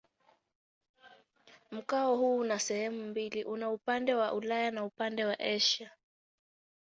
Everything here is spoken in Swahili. Mkoa huu una sehemu mbili: una upande wa Ulaya na upande ni Asia.